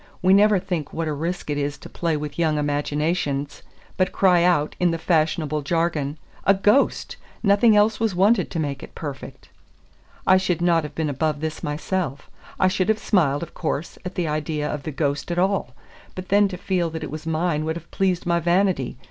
We never think what a risk it is to play with young imaginations, but cry out, in the fashionable jargon, "A ghost! nothing else was wanted to make it perfect." I should not have been above this myself. I should have smiled, of course, at the idea of the ghost at all, but then to feel that it was mine would have pleased my vanity.